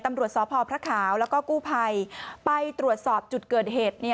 ตำรวจสพพระขาวแล้วก็กู้ภัยไปตรวจสอบจุดเกิดเหตุ